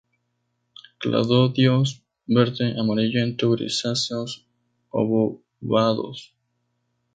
Cladodios verde-amarillento-grisáceos, obovados.